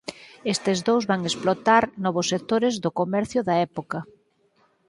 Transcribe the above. Estes dous van a explotar novos sectores do comercio da época.